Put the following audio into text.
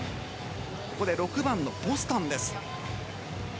ここで６番のボスタンです。